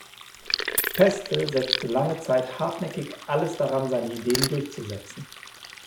Pestel setzte lange Zeit hartnäckig alles daran, seine Ideen durchzusetzen.